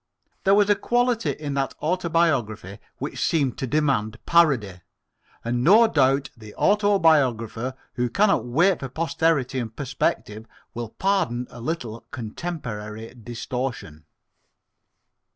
There was a quality in that autobiography which seemed to demand parody, and no doubt the autobiographer who cannot wait for posterity and perspective will pardon a little contemporary distortion.